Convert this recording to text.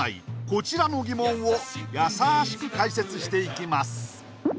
こちらの疑問をやさしく解説していきます